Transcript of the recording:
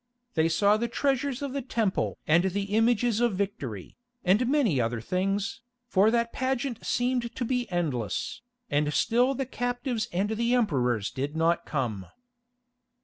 They saw the treasures of the temple and the images of victory, and many other things, for that pageant seemed to be endless, and still the captives and the Emperors did not come.